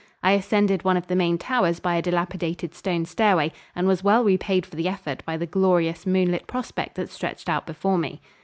I ascended one of the main towers by a dilapidated stone stairway and was well repaid for the effort by the glorious moonlit prospect that stretched out before me.